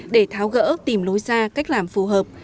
để tháo gỡ tìm lối ra cách làm phù hợp